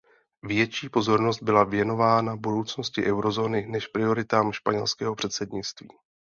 Větší pozornost byla věnována budoucnosti eurozóny než prioritám španělského předsednictví.